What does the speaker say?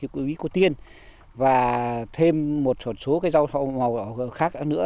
cái bí của tiên và thêm một số số cái rau màu khác nữa